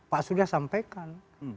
pak sudah sampaikan